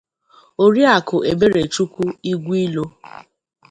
Oriakụ Eberechukwu Igwilo